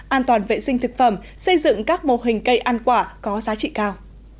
an toàn vệ sinh thực phẩm xây dựng các mô hình cây ăn quả có giá trị cao